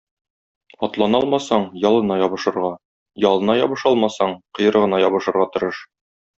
Атлана алмасаң, ялына ябышырга, ялына ябыша алмасаң, койрыгына ябышырга тырыш.